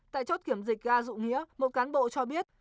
tại chốt kiểm dịch ga dụ nghĩa một cán bộ cho biết